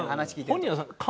本人は顔